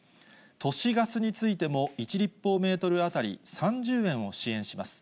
都市ガスについても、１立方メートル当たり３０円を支援します。